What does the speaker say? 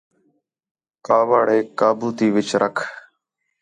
کاوڑیک قابو تی وِچ رَکھ